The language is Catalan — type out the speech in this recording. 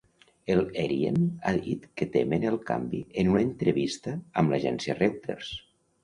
El Erien ha dit que temen el canvi en una entrevista amb l'agència Reuters.